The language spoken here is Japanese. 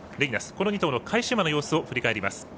この２頭の返し馬の様子を振り返ります。